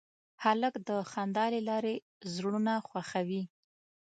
هلک د خندا له لارې زړونه خوښوي.